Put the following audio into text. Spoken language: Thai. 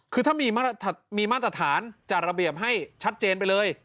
คือถ้ามีมาตรฐานจัดระเบียบให้ชัดเจนไปเลย